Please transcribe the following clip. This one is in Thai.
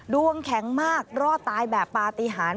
ดวงแข็งมากรอดตายแบบปฏิหาร